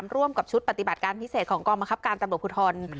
ร่วมกับชุดปฏิบัติการพิเศษของกองบังคับการตำรวจภูทร